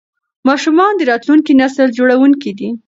ماشومان د راتلونکي نسل جوړونکي دي.